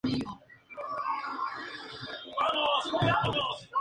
Kōga se graduó de la escuela Mita Senior High School en Tokio.